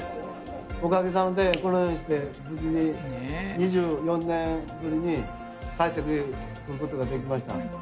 おかげさまで、このようにして無事に２４年ぶりに、帰ってくることができました。